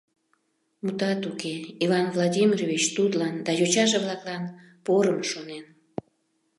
Мутат уке, Иван Владимирович тудлан да йочаже-влаклан порым шонен.